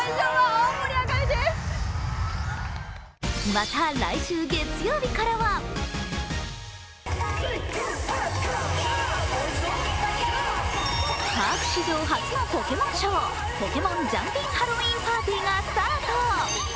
また来週月曜日からはパーク史上初のポケモンショー「ポケモン・ジャンピン・ハロウィーン・パーティー」がスタート。